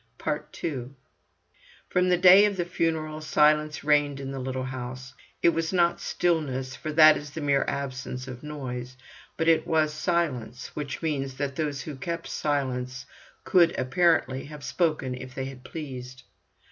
II From the day of the funeral silence reigned in the little house. It was not stillness, for that is the mere absence of noise, but it was silence which means that those who kept silence could, apparently, have spoken if they had pleased.